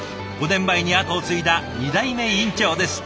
５年前に後を継いだ２代目院長です。